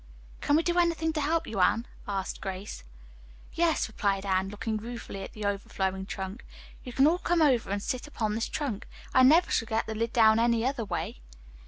"Can we do anything to help you, Anne?" asked Grace. "Yes," replied Anne, looking ruefully at the overflowing trunk. "You can all come over and sit upon this trunk. I never shall get the lid down any other way."